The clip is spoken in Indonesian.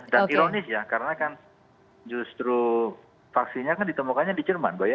dan ironis ya karena kan justru vaksinnya kan ditemukannya di jerman